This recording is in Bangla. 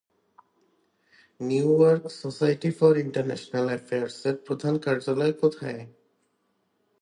New York society for international affairs এর প্রধান কার্যালয় কোথায়?